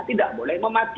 tidak boleh memakinya